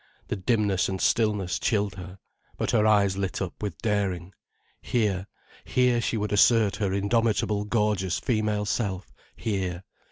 The dimness and stillness chilled her. But her eyes lit up with daring. Here, here she would assert her indomitable gorgeous female self, here.